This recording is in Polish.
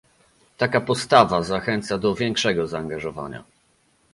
Taka postawa zachęca do większego zaangażowania